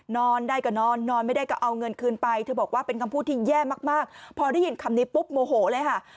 นอนได้ก็นอนนอนไม่ได้ก็เอาเงินคืนไปเธอบอกว่าเป็นคำพูดที่แย่มากพอได้ยินคำนี้ปุ๊บโมโหเลยค่ะ